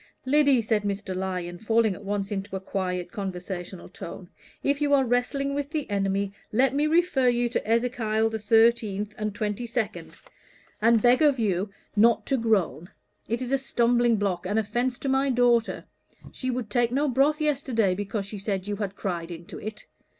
"Lyddy," said Mr. Lyon, falling at once into a quiet conversational tone, "if you are wrestling with the enemy, let me refer you to Ezekiel the thirteenth and twenty second, and beg of you not to groan. It is a stumbling block and offence to my daughter; she would take no broth yesterday, because she said you had cried into it.